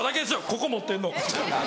ここ持ってんの。